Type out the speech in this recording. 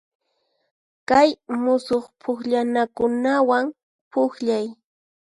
Kay musuq pukllanakunawan pukllay.